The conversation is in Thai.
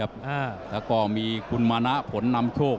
แล้วก็มีคุณมานะผลนำโชค